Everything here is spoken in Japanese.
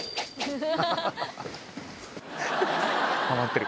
ハマってる？